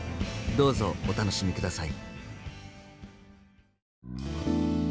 どうぞお楽しみ下さい。